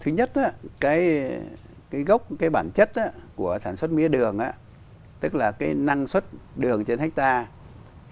thứ nhất gốc bản chất của sản xuất mía đường tức là năng suất đường trên hectare